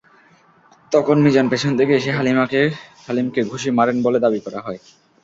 তখন মিজান পেছন থেকে এসে হালিমকে ঘুষি মারেন বলে দাবি করা হয়।